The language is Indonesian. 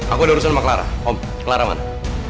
aku ada urusan sama clara om clara mana